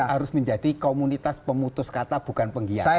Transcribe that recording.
harus menjadi komunitas pemutus kata bukan penggiat